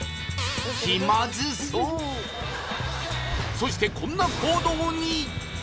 そしてこんな行動に！